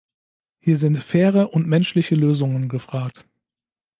Hier sind faire und menschliche Lösungen gefragt.